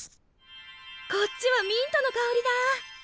こっちはミントの香りだ。